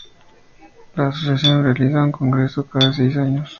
La Asociación realiza un Congreso cada seis años.